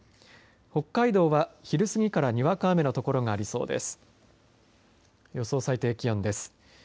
北海道は昼過ぎからにわか雨の所がありそうです。